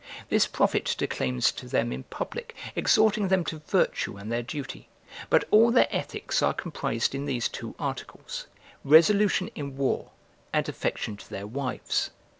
This prophet declaims to them in public, exhorting them to virtue and their duty: but all their ethics are comprised in these two articles, resolution in war, and affection to their wives.